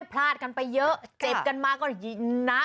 พลาดกันไปเยอะเจ็บกันมาก็ยิงนะ